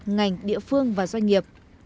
ngành địa phương và doanh nghiệp